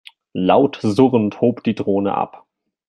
Laut surrend hob die Drohne ab.